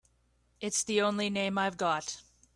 It's the only name I've got.